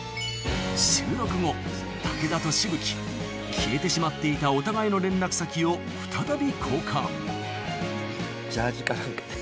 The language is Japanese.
収録後武田と紫吹消えてしまっていたお互いの連絡先を再び交換